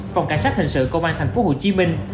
phòng cảnh sát hình sự công an thành phố hồ chí minh